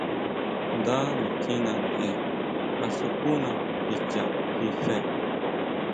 Nda nitjína tʼen kasukuna kicha jí fe.